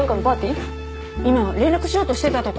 今連絡しようとしてたとこ。